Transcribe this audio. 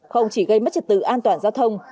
không chỉ gây mất trật tự an toàn giao thông